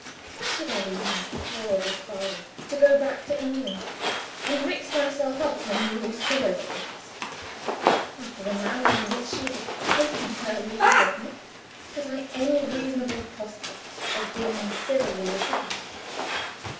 Why should I leave my poor old father to go back to England, and mix myself up in Lucilla's affairs? After the manner in which she had taken her leave of me, had I any reasonable prospect of being civilly received?